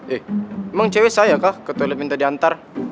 eh emang cewek saya kah ke toilet minta diantar